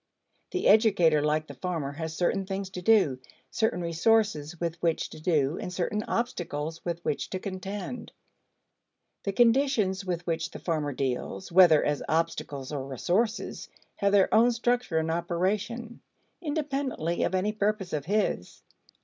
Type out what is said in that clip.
The educator, like the farmer, has certain things to do, certain resources with which to do, and certain obstacles with which to contend. The conditions with which the farmer deals, whether as obstacles or resources, have their own structure and operation independently of any purpose of his.